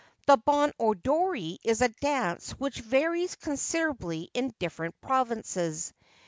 The ' Bon Odori ' is a dance which varies considerably in different provinces.